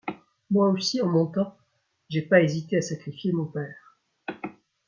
Moi aussi en mon temps j’ai pas hésité à sacrifier mon père. ..